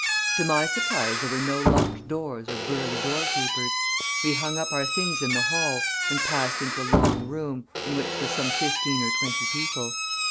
To my surprise there were no locked doors or burly doorkeepers. We hung up our things in the hall and passed into a long room, in which were some fifteen or twenty people.